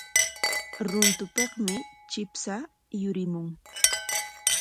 Runtupikmi chipsha yurimun.